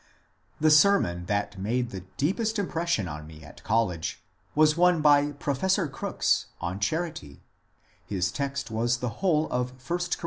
The sermon that made the deepest impression on me at col lege was one by Professor Crooks on Charity : his text was the whole of 1 Cor.